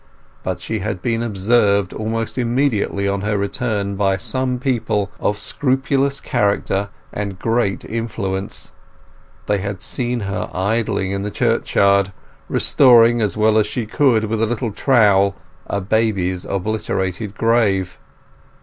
But she had been observed almost immediately on her return by some people of scrupulous character and great influence: they had seen her idling in the churchyard, restoring as well as she could with a little trowel a baby's obliterated grave.